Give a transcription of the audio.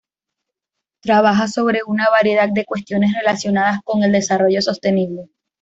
Trabaja sobre una variedad de cuestiones relacionadas con el desarrollo sostenible.